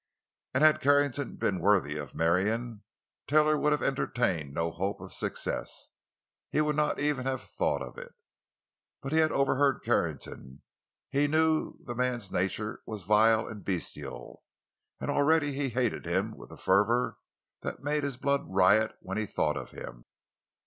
And had Carrington been worthy of Marion, Taylor would have entertained no hope of success—he would not even have thought of it. But he had overheard Carrington; he knew the man's nature was vile and bestial; and already he hated him with a fervor that made his blood riot when he thought of him.